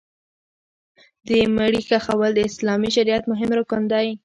د مړي ښخول د اسلامي شریعت مهم رکن دی.